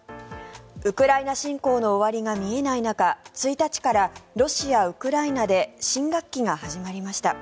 ウクライナ侵攻の終わりが見えない中１日からロシア、ウクライナで新学期が始まりました。